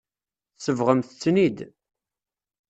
Tsebɣemt-ten-id.